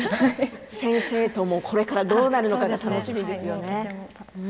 先生ともこれからどうなるのか楽しみですよね。